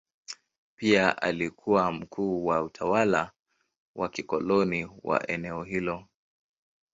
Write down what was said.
Pia alikuwa mkuu wa utawala wa kikoloni wa eneo hilo.